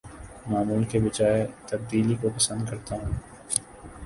معمول کے بجاے تبدیلی کو پسند کرتا ہوں